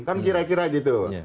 kan kira kira gitu